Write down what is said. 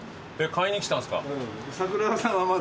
買いに来たんすか？